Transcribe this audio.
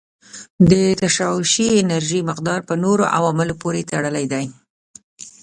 د تشعشعي انرژي مقدار په نورو عواملو پورې تړلی دی.